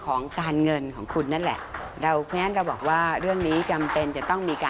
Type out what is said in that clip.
ต้องมีการออมนะคะ